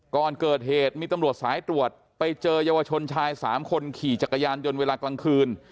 ก่อนเกิดเหตุมีตำรวจสายตรวจไปเจอเยาวชนชาย๓คนขี่จักรยานยนต์เวลากลางคืน